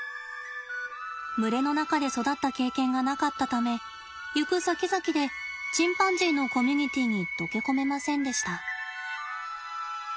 群れの中で育った経験がなかったため行くさきざきでチンパンジーのコミュニティーに溶け込めませんでした。